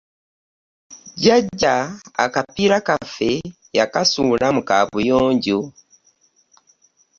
Jjajja akapiira kaffe yakasuula mu kaabuyonjo.